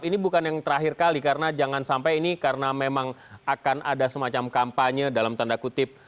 ini bukan yang terakhir kali karena jangan sampai ini karena memang akan ada semacam kampanye dalam tanda kutip